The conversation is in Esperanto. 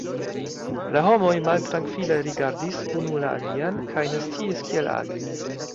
La homoj maltrankvile rigardis unu la alian kaj ne sciis kiel agi.